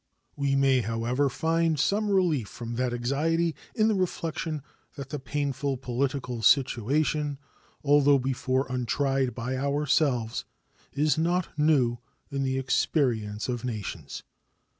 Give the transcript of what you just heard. We may, however, find some relief from that anxiety in the reflection that the painful political situation, although before untried by ourselves, is not new in the experience of nations.